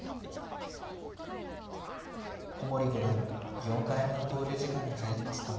古森五段４回目の考慮時間に入りました。